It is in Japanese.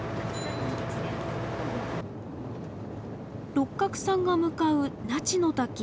六角さんが向かう那智の滝。